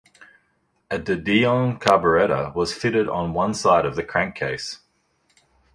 A De Dion carburetor was fitted on one side of the crankcase.